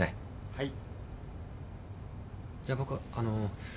はい。